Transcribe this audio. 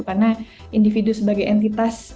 karena individu sebagai entitas